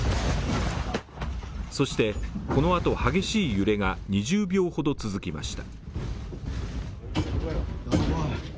そして、このあと激しい揺れが２０秒ほど続きました。